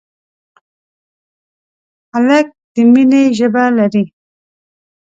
هلک د مینې ژبه لري.